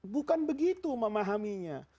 bukan begitu memahaminya